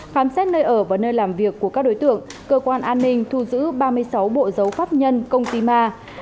khám xét nơi ở và nơi làm việc của các đối tượng cơ quan an ninh thu giữ ba mươi sáu bộ dấu pháp nhân công ty ma